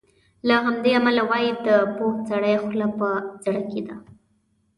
له همدې امله وایي د پوه سړي خوله په زړه کې ده.